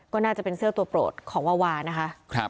ก็น่าจะเป็นเสื้อตัวโปรดของวาวานะคะ